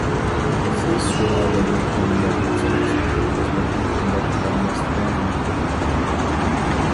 سىز شۇ ئادەمنىڭ ئورنىدا بولسىڭىز، ئۇ خىزمەتنى ئۇنداق قىلالماسلىقىڭىز مۇمكىن.